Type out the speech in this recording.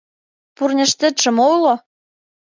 Пурняштетше мо уло?